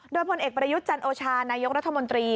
โดยพลเอกประยุทธ์จันโอชานายกรัฐมนตรี